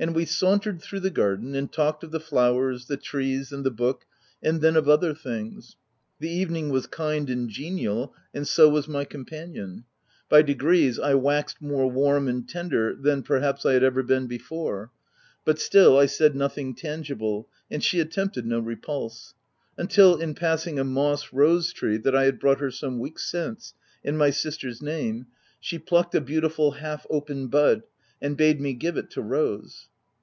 And we sauntered through the garden, and talked of the flowers, the trees, and the book, — and then of other things. The evening was kind and genial, and so was my companion. By degrees, I waxed more warm and tender than, perhaps, I had ever been before; but still, I said nothing tangible, and she attempted no repulse ; until, in passing a moss rose tree that I had brought her some weeks since, in my sister s name, she plucked a beautiful half open bud and bade me give it to Rose.